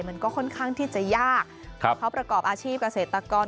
มันก็ค่อนข้างที่จะยากเขาประกอบอาชีพเกษตรกร